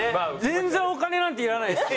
全然お金なんていらないです。